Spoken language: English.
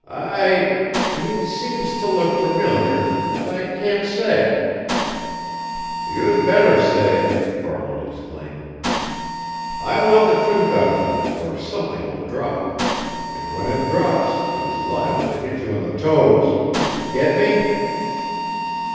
"I he seems to look familiar, but I can't say." "You'd better say!" Farland exclaimed. "I want the truth out of you, or something will drop. And when it drops, it is liable to hit you on the toes. Get me?"